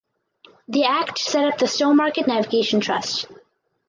The Act set up the Stowmarket Navigation Trust.